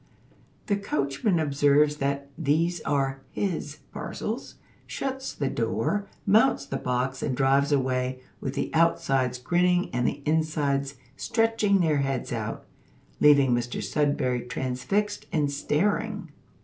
The coachman observes that these are his parcels, shuts the door, mounts the box, and drives away, with the outsides grinning and the insides stretching their heads out, leaving Mr Sudberry transfixed and staring.